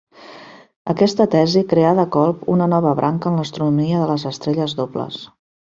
Aquesta tesi creà de colp una nova branca en l'astronomia de les estrelles dobles.